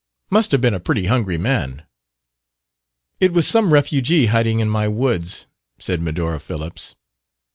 "Must have been a pretty hungry man." "It was some refugee hiding in my woods," said Medora Phillips.